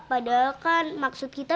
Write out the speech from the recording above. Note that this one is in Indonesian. padahal kan maksud kita